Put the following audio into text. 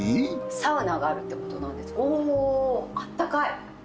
サウナがあるってことなんですがおぉあったかい。